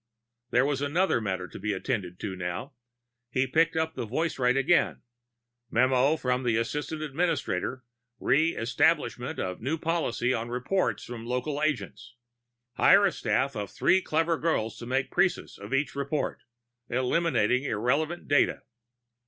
There was another matter to be attended to now. He picked up the voicewrite again. "Memo from the assistant administrator, re establishment of new policy on reports from local agents: hire a staff of three clever girls to make a précis of each report, eliminating irrelevant data."